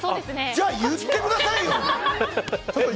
じゃあ言ってくださいよ！